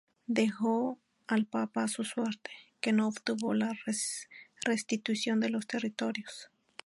Dejó al papa a su suerte, que no obtuvo la restitución de los territorios.